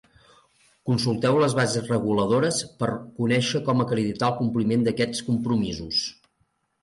Consulteu les bases reguladores per conèixer com acreditar el compliment d'aquests compromisos.